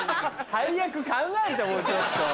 配役考えてもうちょっと。